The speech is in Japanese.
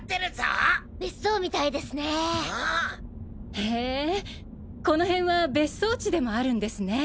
へぇこの辺は別荘地でもあるんですね。